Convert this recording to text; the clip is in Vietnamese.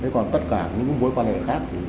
còn tất cả những mối quan hệ khác